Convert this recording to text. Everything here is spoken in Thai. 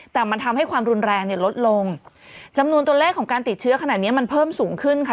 แต่มันทำให้ความรุนแรงเนี่ยลดลงจำนวนตัวเลขของการติดเชื้อขนาดเนี้ยมันเพิ่มสูงขึ้นค่ะ